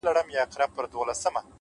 د لرې تندر غږ د ذهن توجه له منځه یوسي’